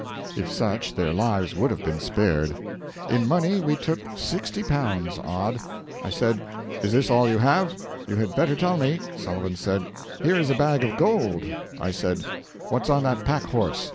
If such their lives would have been spared. In money we took L60 odd. I said, 'Is this all you have? You had better tell me.' Sullivan said, 'Here is a bag of gold.' I said, 'What's on that pack horse?